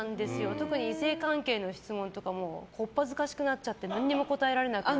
特に性関係の質問とかこっぱずかしくなっちゃって何も答えられなくて。